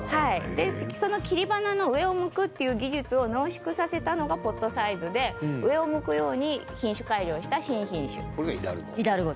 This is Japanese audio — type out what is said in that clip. その切り花の、上を向くという技術を濃縮させたのがポットサイズで上を向くように品種改良した、新品種イダルゴ。